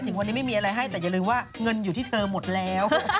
ถึงวันนี้ไม่มีอะไรให้แต่อย่าลืมว่าเงินอยู่ที่เธอหมดแล้ว